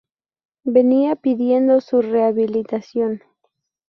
venía pidiendo su rehabilitación